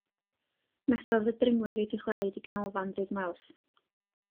Methodd y dringwyr i ddychwelyd i ganolfan ddydd Mawrth.